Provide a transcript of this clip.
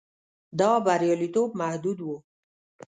دا بریالیتوب محدود و.